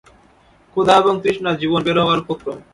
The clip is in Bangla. ক্ষুধা এবং তৃষ্ণায় জীবন বের হবার উপক্রম।